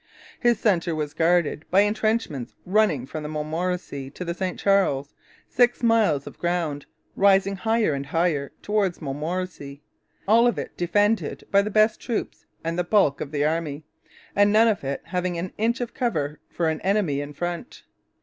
His centre was guarded by entrenchments running from the Montmorency to the St Charles, six miles of ground, rising higher and higher towards Montmorency, all of it defended by the best troops and the bulk of the army, and none of it having an inch of cover for an enemy in front.